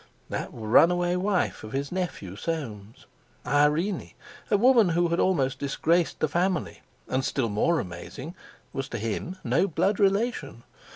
_" that runaway wife of his nephew Soames; Irene, a woman who had almost disgraced the family, and—still more amazing was to him no blood relation.